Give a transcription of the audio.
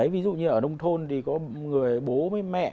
ví dụ như ở nông thôn thì có người bố với mẹ